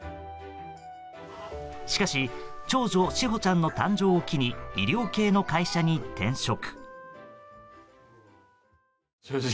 しかし長女・詩帆ちゃんの誕生を機に医療系の会社に転職。